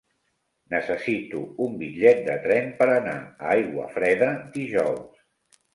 Necessito un bitllet de tren per anar a Aiguafreda dijous.